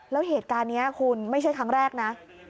แล้วเหตุการณ์นี้คุณไม่ใช่ครั้งแรกนะ